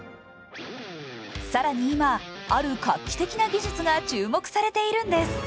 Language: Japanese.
更に今、ある画期的な技術が注目されているんです。